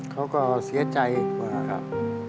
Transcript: เขาก็เสียใจกว่าครับ